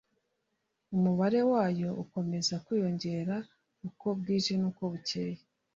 umubare wayo ukomeza kwiyongera uko bwije n uko bukeye